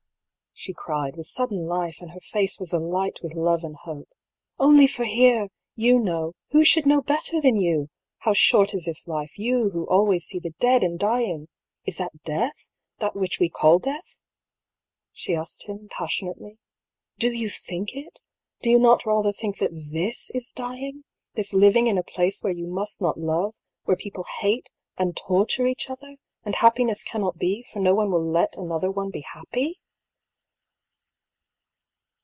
" she cried, with sudden life, and her face MIZPAH. 273 was alight with love and hope, " only for here ! You know — who should know better than you ?— ^how short is this life, you who always see the dead and dying ! Is it death, that which we call death ?" she asked him, passionately. " Do you think it ? Do you not rather think that this is dying, this living in a place where you must not love, where people hate and torture each other, and happiness cannot be, for no one will let another one be happy